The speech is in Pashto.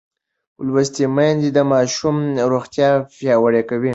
لوستې میندې د ماشوم روغتیا پیاوړې کوي.